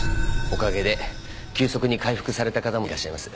おかげで急速に回復された方もいらっしゃいます。